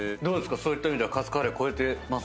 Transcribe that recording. そういった意味ではカツカレー超えてます？